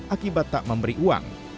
akibat tak memberi uang